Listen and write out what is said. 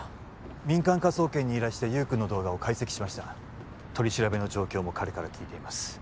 民間科捜研に依頼して優君の動画を解析しました取り調べの状況も彼から聞いています